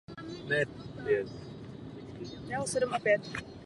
Po vypuknutí Slovenského národního povstání se přidal na stranu partyzánů.